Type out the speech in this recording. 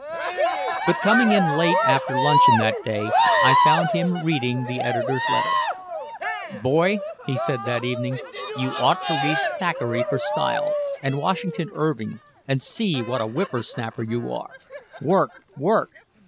But coming in late after luncheon that day, I found him reading the editor's letter. "Boy," he said that evening, "you ought to read Thackeray for style, and Washington Irving, and see what a whippersnapper you are. Work work!